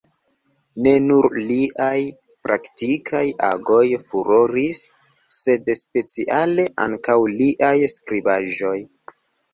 Ne nur liaj praktikaj agoj furoris, sed speciale ankaŭ liaj skribaĵoj.